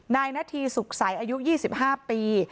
นายนัทธีสุขสัยอายุ๒๕ปี